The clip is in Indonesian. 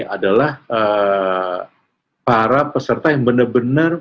adalah para peserta yang benar benar